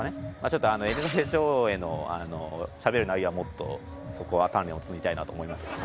ちょっとエリザベス女王へのしゃべる内容はもっとそこは鍛錬を積みたいなと思います